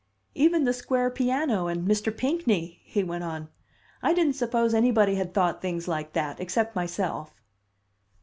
"Even the square piano and Mr. Pinckney," he went on. "I didn't suppose anybody had thought things like that, except myself."